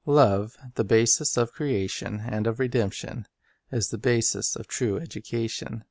Love, the basis of creation and of redemption, is the Love basis of true education.